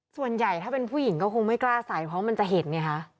ส่วนใหญ่ถ้าเป็นผู้หญิงก็คงไม่กล้าใส่เพราะมันจะเห็นไงคะ